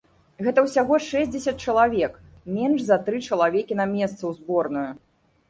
Гэта ўсяго шэсцьдзесят чалавек, менш за тры чалавекі на месца ў зборную.